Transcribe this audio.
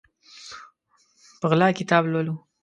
په غلا کتاب لولو